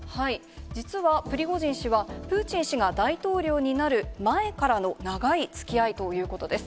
実はプリゴジン氏は、プーチン氏が大統領になる前からの長いつきあいということです。